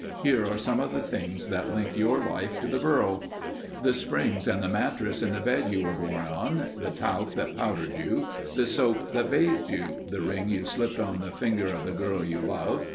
Here are some of the things that link your life to the burro: The springs and the mattress in the bed you were born on. The talc that powdered you. The soap that bathed you. The ring you slipped on the finger of the girl you love.